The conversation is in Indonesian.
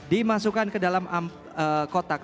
dimasukkan ke dalam kotak transparan c